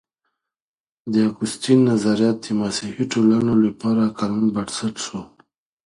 د اګوستين نظريات د مسيحي ټولنو لپاره د قانون بنسټ سو.